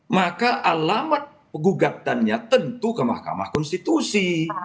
maka alamat gugatannya tentu ke mahkamah konstitusi